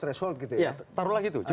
threshold gitu ya ya taruhlah gitu